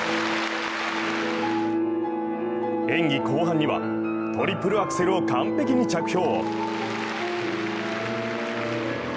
演技後半にはトリプルアクセルを完璧に着氷。